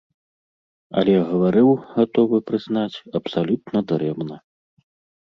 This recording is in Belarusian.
Але гаварыў, гатовы прызнаць, абсалютна дарэмна.